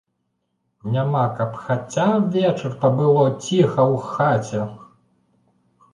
Няма, каб хаця вечар пабыло ціха ў хаце.